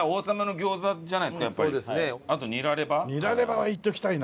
ニラレバはいっておきたいな。